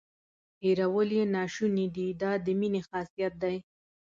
هیرول یې ناشونې دي دا د مینې خاصیت دی.